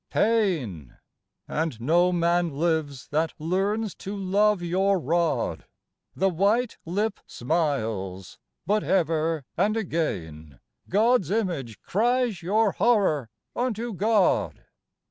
Pain ! And no man lives that learns to love your rod ; The white lip smiles â ^but ever and again God's image cries your horror unto God!